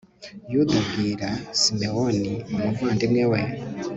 yuda abwira simewoni umuvandimwe we